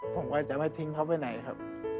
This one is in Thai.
ผมก็จะไม่ทิ้งเขาไปไหนครับ